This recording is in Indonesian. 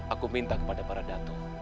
aku minta kepada para dato